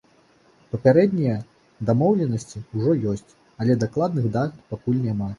Папярэднія дамоўленасці ўжо ёсць, але дакладных дат пакуль няма.